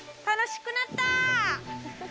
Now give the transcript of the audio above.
楽しくなった！